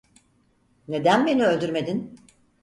Neden beni öldürmedin?